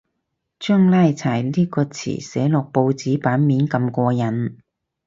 將拉柴呢個詞寫落報紙版面咁過癮